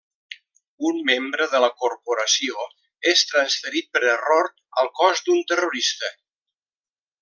Un membre de la corporació és transferit per error al cos d'un terrorista.